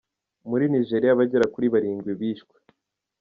Muri Nigeriya abagera kuri barindwi bishwe